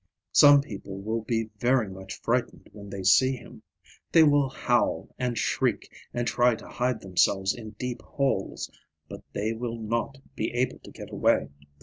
Some people will be very much frightened when they see him; they will howl, and shriek, and try to hide themselves in deep holes, but they will not be able to get away.